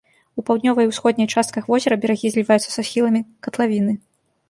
У паўднёвай і ўсходняй частках возера берагі зліваюцца са схіламі катлавіны.